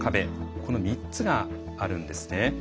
この３つがあるんですね。